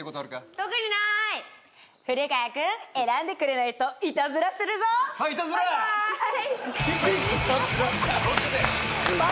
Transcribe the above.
特になーい古川君選んでくれないといたずらするぞはいいたずらバイバイ！